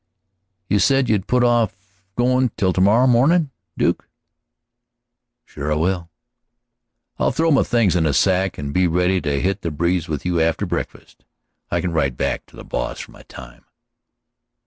"You said you'd put off goin' till mornin', Duke?" "Sure I will." "I'll throw my things in a sack and be ready to hit the breeze with you after breakfast. I can write back to the boss for my time."